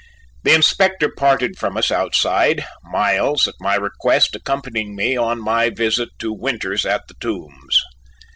The Inspector parted from us outside; Miles, at my request, accompanying me on my visit to Winters at the Tombs.